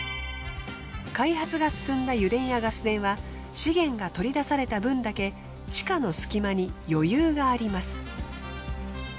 開発が進んだ油田やガス田は資源が採り出された分だけ地下の隙間に余裕があります。